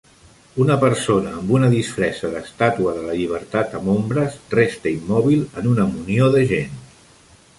Una persona amb una disfressa d'estàtua de la llibertat amb ombres resta immòbil en una munió de gent.